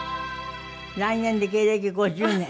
来年で芸歴５０年。